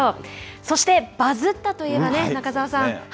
そして、バズったといえば中澤さん。